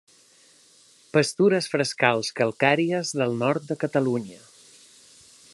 Pastures frescals calcàries del nord de Catalunya.